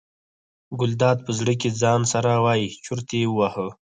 ګلداد په زړه کې ځان سره وایي چورت یې وواهه.